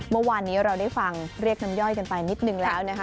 เมื่อวานนี้เราได้ฟังเรียกน้ำย่อยกันไปนิดนึงแล้วนะคะ